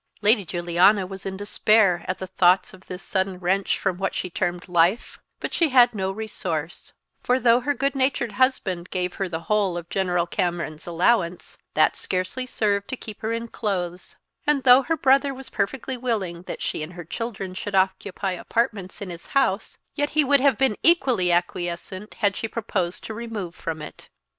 Lady Juliana was in despair at the thoughts of this sudden wrench from what she termed "life;" but she had no resource; for though her good natured husband gave her the whole of General Cameron's allowance, that scarcely served to keep her in clothes; and though her brother was perfectly willing that she and her children should occupy apartments in his house, yet he would have been equally acquiescent had she proposed to remove from it.